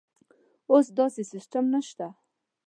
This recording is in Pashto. اوس داسې سیستم نشته.